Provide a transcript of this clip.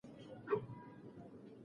ما مخکې خپل غاښونه ناسم برس کړي وو.